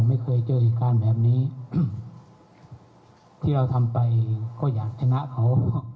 ไม่เคยเจอเหตุการณ์แบบนี้ที่เราทำไปก็อยากชนะเขา